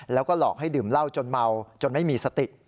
แล้วก็หลอกให้ดื่มเหล้าจนเมาจนไม่มีสติ